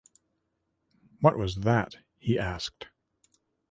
‘What was that?’ he asked.